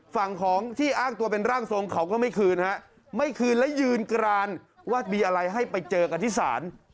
ฝั่งของที่อ้างตัวเป็นร่างทรงเขาก็ไม่คืนฮะไม่คืนและยืนกรานว่ามีอะไรให้ไปเจอกันที่ศาล